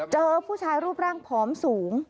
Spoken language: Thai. เจอผู้ชายรูปร่างผอมสูง